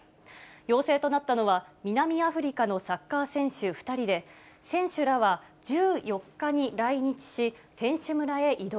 陽性となったのは、南アフリカのサッカー選手２人で、選手らは１４日に来日し、選手村へ移動。